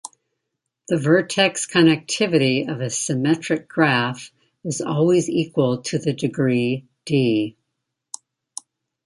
The vertex-connectivity of a symmetric graph is always equal to the degree "d".